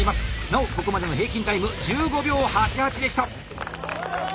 なおここまでの平均タイム１５秒８８でした。